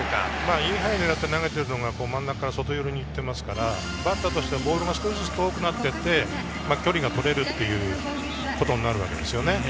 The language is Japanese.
インハイに狙って投げてるのが外になっていますから、バッターとしてボールがそっと遠くなっていって、距離がとれるということになるんですよね。